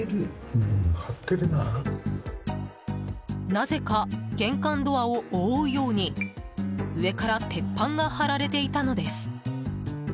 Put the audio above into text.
なぜか玄関ドアを覆うように上から鉄板が張られていたのです。